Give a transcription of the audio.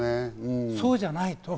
そうじゃないと。